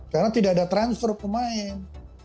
karena tidak ada transfer pemain